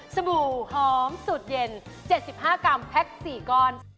บู่หอมสูตรเย็น๗๕กรัมแพ็ค๔ก้อน